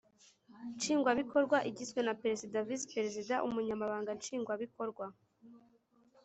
Nshingwabikorwa igizwe na perezida visiperezida umunyamabanga nshingwabikorwa